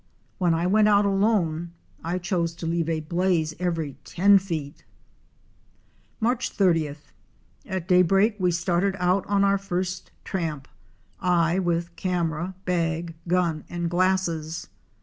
When I went out alone I chose to leave a '"'blaze"' every éen feet! Marcu 30th. — At daybreak we started out on our first tramp, I with camera, bag, gun and glasses.